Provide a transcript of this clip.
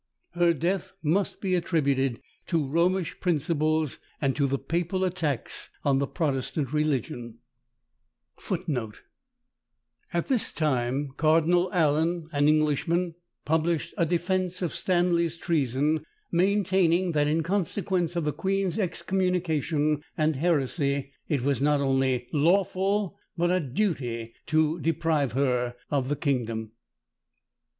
Her death must be attributed to Romish principles, and to the papal attacks on the Protestant religion. [Footnote 4: At this time Cardinal Allen, an Englishman, published a defence of Stanley's treason, maintaining that in consequence of the queen's excommunication and heresy, it was not only lawful, but a duty to deprive her of the kingdom.